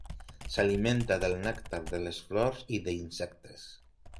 S'alimenta del nèctar de les flors i d'insectes.